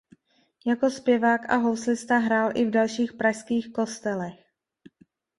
Jako zpěvák a houslista hrál i v dalších pražských kostelech.